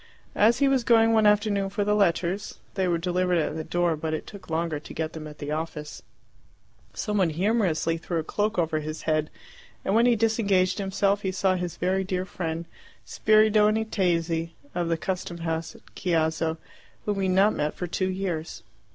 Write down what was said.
As he was going one afternoon for the letters they were delivered at the door, but it took longer to get them at the office some one humorously threw a cloak over his head, and when he disengaged himself he saw his very dear friend Spiridione Tesi of the custom house at Chiasso, whom he had not met for two years.